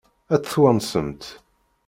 Ad tt-twansemt?